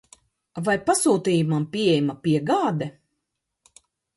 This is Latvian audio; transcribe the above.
Vai pasūtījumam pieejama piegāde?